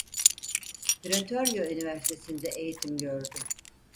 Pretoria Üniversitesi'nde eğitim gördü.